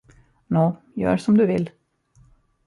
Nå, gör som du vill!